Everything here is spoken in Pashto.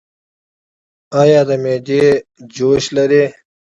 ایا د معدې جلن لرئ؟